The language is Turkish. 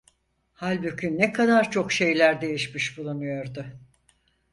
Halbuki ne kadar çok şeyler değişmiş bulunuyordu!